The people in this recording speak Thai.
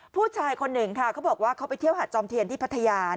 ผู้ชายคนหนึ่งค่ะเขาบอกว่าเขาไปเที่ยวหาดจอมเทียนที่พัทยา